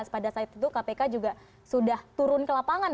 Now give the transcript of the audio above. pada saat itu kpk juga sudah turun ke lapangan